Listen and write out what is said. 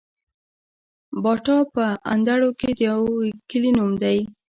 باټا په اندړو کي د يو کلي نوم دی